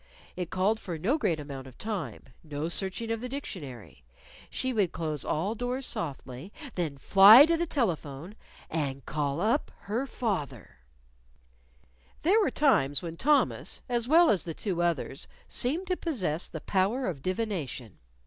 It called for no great amount of time: no searching of the dictionary. She would close all doors softly; then fly to the telephone and call up her father. There were times when Thomas as well as the two others seemed to possess the power of divination.